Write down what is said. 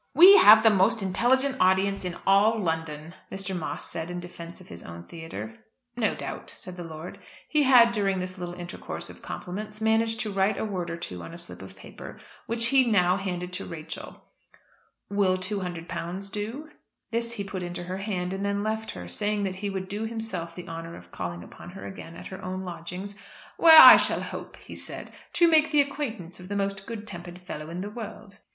"We have the most intelligent audience in all London," Mr. Moss said in defence of his own theatre. "No doubt," said the lord. He had, during this little intercourse of compliments, managed to write a word or two on a slip of paper, which he now handed to Rachel "Will £200 do?" This he put into her hand, and then left her, saying that he would do himself the honour of calling upon her again at her own lodgings, "where I shall hope," he said, "to make the acquaintance of the most good tempered fellow in the world."